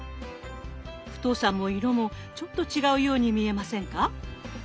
太さも色もちょっと違うように見えませんか？